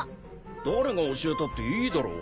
誰が教えたっていいだろ。